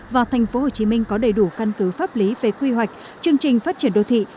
và tp hcm có đầy đủ căn cứ pháp lý về quy hoạch chương trình phát triển đô thị